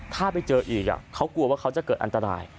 ถ้าไปเจออีกเขากลัวว่าเขาจะเกิดอันตราย